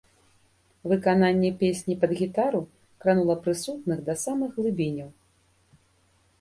Выкананне песні пад гітару кранула прысутных да самых глыбіняў.